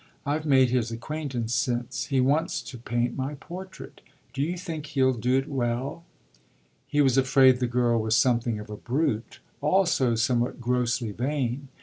I've made his acquaintance since. He wants to paint my portrait. Do you think he'll do it well?" He was afraid the girl was something of a brute also somewhat grossly vain.